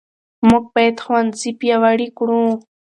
موږ باید ښوونځي پیاوړي کړو.